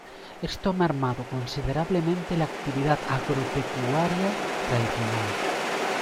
Esto ha mermado considerablemente la actividad agropecuaria tradicional.